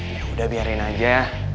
yaudah biarin aja